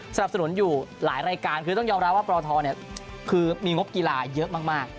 สนับสนุนอยู่หลายรายการคือต้องยอมรับว่าปรทคือมีงบกีฬาเยอะมาก